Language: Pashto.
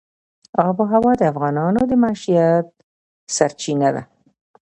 آب وهوا د افغانانو د معیشت سرچینه ده.